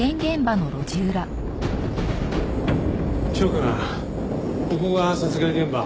翔くんここが殺害現場。